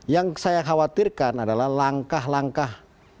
yang saya khawatirkan adalah langkah langkah